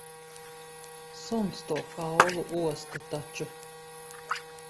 Suns to kaulu osta taču.